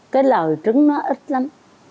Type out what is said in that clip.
cái lời trứng nó ít lắm